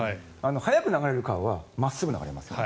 速く流れる川は真っすぐ流れますよね